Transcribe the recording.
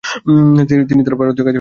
তিনি তার ভারতীয় কাজে গতি আনেন।